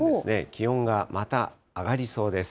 気温がまた上がりそうです。